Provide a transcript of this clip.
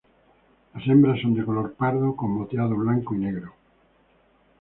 Las hembras son de color pardo con moteado blanco y negro.